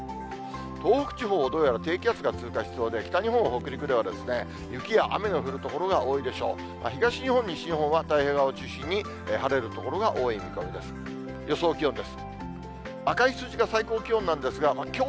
東北地方、どうやら低気圧が通過しそうで、北日本、北陸では雪や雨の降る所が多いでしょう。